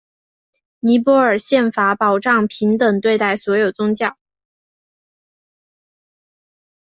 尼泊尔宪法保障平等对待所有宗教。